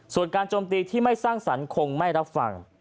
ส่วนการโจมตีที่ไม่สร้างสรรค์คงไม่รับฟัง